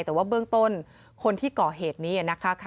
แต่ว่าเบื้องต้นคนที่ก่อเหตุนี้นะคะ